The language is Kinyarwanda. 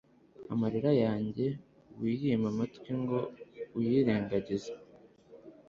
amarira yanjye wiyima amatwi, ngo uyirengagize